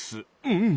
うん！